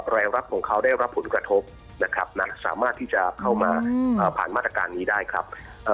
รายรับของเขาได้รับผลกระทบนะครับนะสามารถที่จะเข้ามาผ่านมาตรการนี้ได้ครับ